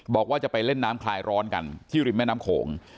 บอกว่าจะไปเล่นน้ำคลายร้อนกันที่ริมแม่น้ำโขง